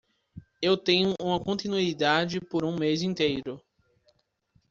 Eu tenho uma continuidade por um mês inteiro.